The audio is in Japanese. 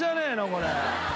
これ。